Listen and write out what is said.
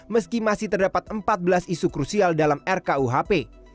meski masih terdapat empat belas isu krusial dalam rkuhp